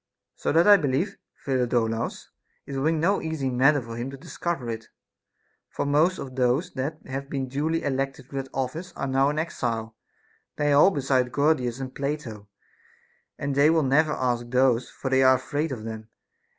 So that I believe, Phidolaus, it will be no easy matter for him to discover it. For most of those that have been duly elected to that office are now in exile ; nay, all besides Gorgidas and Plato ; and they will never ask those, for they are afraid of them.